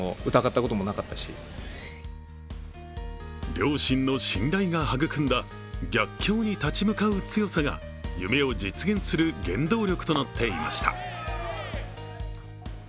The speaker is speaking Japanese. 両親の信頼が育んだ逆境に立ち向かう強さが夢を実現する原動力となっていました。